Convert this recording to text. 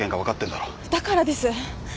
だからです。